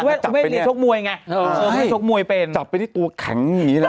แล้วคุณแม่ก็ได้ชกมวยไงชกมวยเป็นจับไปที่ตัวแข็งอย่างนี้